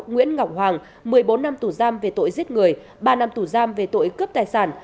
nguyễn ngọc hoàng một mươi bốn năm tù giam về tội giết người ba năm tù giam về tội cướp tài sản